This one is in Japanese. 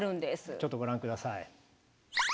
ちょっとご覧ください。